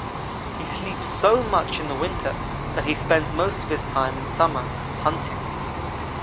He sleeps so much in the winter that he spends most of his time in summer hunting.